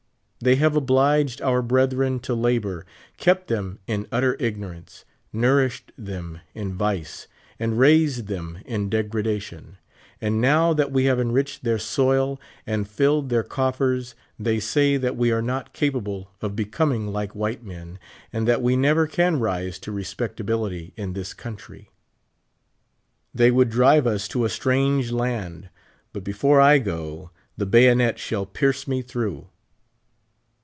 They have obliged our brethren to labor ; kept them in utter ignorance ; nourished them in vice, and raised them in degradation ; and now that we have enriched their soil, and filled their coffers, they say that we are not capable of becoming like white men, and that we never can rise to respectability in this country. They would drive us to a strange land. But before I go, the bayonet shall pierce me through.